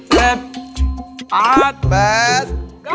เจ็บตัดแปด